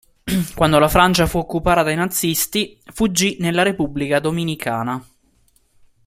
Quando la Francia fu occupata dai nazisti fuggì nella Repubblica Dominicana.